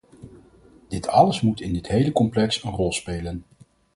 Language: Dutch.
Dit alles moet in dit hele complex een rol spelen.